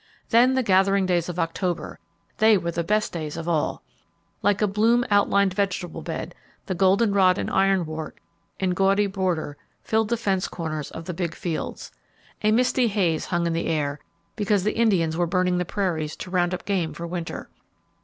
Then the gathering days of October they were the best days of all! Like a bloom outlined vegetable bed, the goldenrod and ironwort, in gaudy border, filled the fence corners of the big fields. A misty haze hung in the air, because the Indians were burning the prairies to round up game for winter.